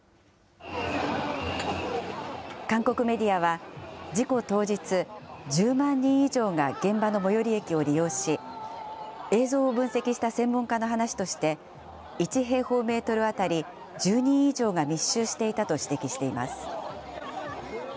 韓国メディアは、事故当日、１０万人以上が現場の最寄り駅を利用し、映像を分析した専門家の話として、１平方メートル当たり１０人以上が密集していたと指摘しています。